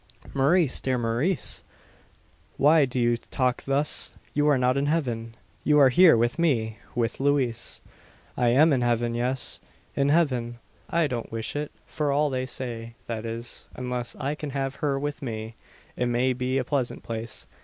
"Maurice, dear Maurice! Why do you talk thus? You are not in heaven; you are here with me with Louise." "I am in heaven; yes, in heaven! I don't wish it, for all they say; that is, unless I can have her with me. It may be a pleasant place.